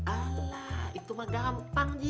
alah itu mah gampang ji